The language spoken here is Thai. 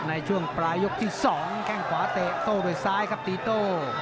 ในช่วงปลายกลุ่มที่๒แค่งขวาเตะโก้ไปซ้ายครับตีโต้